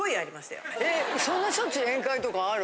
そんなしょっちゅう宴会とかある？